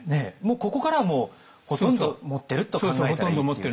ここからはもうほとんど持ってると考えたらいいっていう。